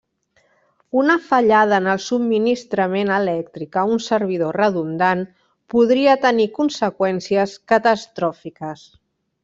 Una fallada en el subministrament elèctric a un servidor redundant, podria tenir conseqüències catastròfiques.